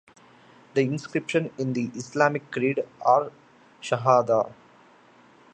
The inscription is the Islamic creed, or "shahada".